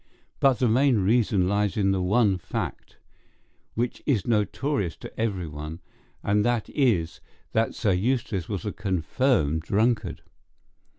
But the main reason lies in the one fact, which is notorious to everyone, and that is that Sir Eustace was a confirmed drunkard.